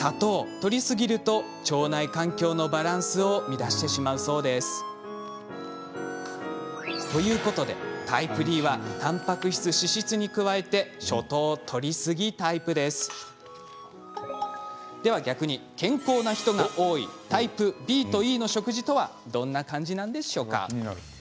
とりすぎると腸内環境のバランスを乱してしまうそうです。ということでタイプＤはでは逆に健康な人が多いタイプＢとＥの食事とはどんな感じなんでしょうか？